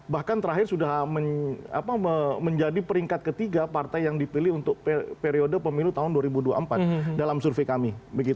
bahkan terakhir sudah menjadi peringkat ketiga partai yang dipilih untuk periode pemilu tahun dua ribu dua puluh empat dalam survei kami